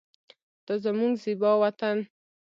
دا زمونږ زیبا وطن